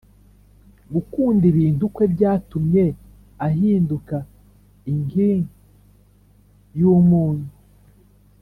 Gukunda ibintu kwe byatumye ahinduka inking y’umunyu